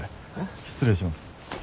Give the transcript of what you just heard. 失礼します。